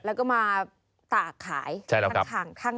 แล้วก็มาตากขายข้างนะครับ